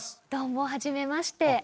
どうも始めまして。